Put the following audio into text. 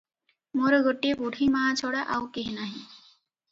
“ମୋର ଗୋଟିଏ ବୁଢ଼ୀମାଆ ଛଡ଼ା ଆଉ କେହି ନାହିଁ ।”